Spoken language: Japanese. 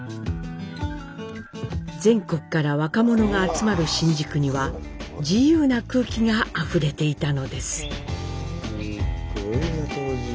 全国から若者が集まる新宿には自由な空気があふれていたのです。